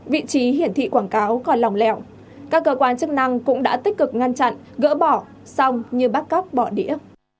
vị trí hiển thị quảng cáo còn lòng lèo các cơ quan chức năng cũng đã tích cực ngăn chặn gỡ bỏ xong như bắt cóc bỏ đĩa